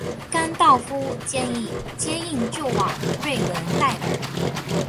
甘道夫建议接应救往瑞文戴尔。